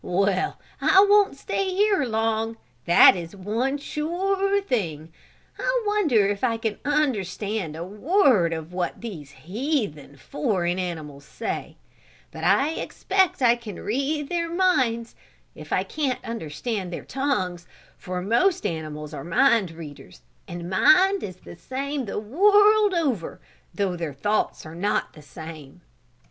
Well, I won't stay here long, that is one sure thing. I wonder if I can understand a word of what these heathen, foreign animals say, but I expect I can read their minds, if I can't understand their tongues for most animals are mind readers and mind is the same the world over, though their thoughts are not the same."